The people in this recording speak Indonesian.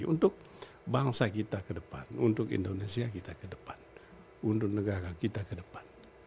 untuk bangsa kita ke depan untuk indonesia kita ke depan untuk negara kita ke depan